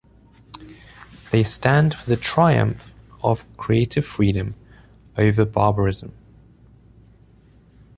They stand for the triumph of creative freedom over barbarism.